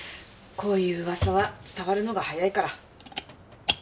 こういう噂は伝わるのが早いから。